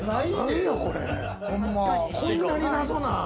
こんなに謎な。